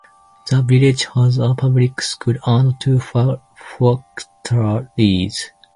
The village has a public school and two factories.